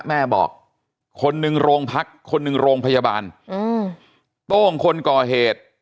แม่บอกคนหนึ่งโรงพักคนหนึ่งโรงพยาบาลอืมโต้งคนก่อเหตุ